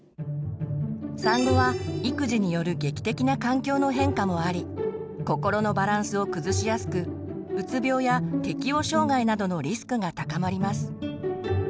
産後は育児による劇的な環境の変化もあり心のバランスを崩しやすくうつ病や適応障害などのリスクが高まります。